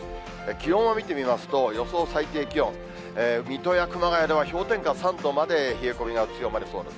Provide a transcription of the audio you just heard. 気温を見てみますと、予想最低気温、水戸や熊谷では氷点下３度まで冷え込みが強まりそうです。